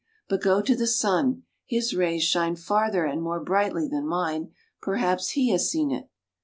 But go to the Sun. His rays shine farther and more brightly than mine. Perhaps he has seen it."